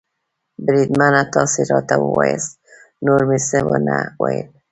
بریدمنه، تاسې راته ووایاست، نور مې څه و نه ویل.